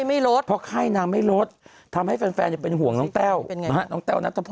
เพราะไข้นางไม่ลดทำให้แฟนแฟนเนี้ยเป็นห่วงน้องแต้วเป็นไงน้องแต้วนักทศพ